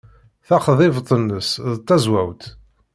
Taxḍibt-nnes d tazwawt.